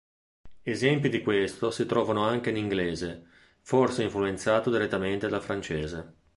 Esempi di questo si trovano anche in inglese, forse influenzato direttamente dal francese.